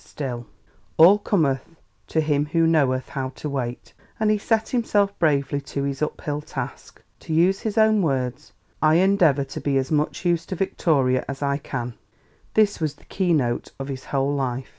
Still, "all cometh to him who knoweth how to wait," and he set himself bravely to his uphill task. To use his own words, "I endeavour to be as much use to Victoria as I can," this was the keynote of his whole life.